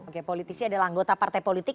oke politisi adalah anggota partai politik